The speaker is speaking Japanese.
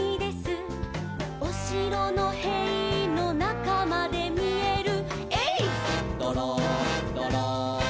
「おしろのへいのなかまでみえる」「えいっどろんどろん」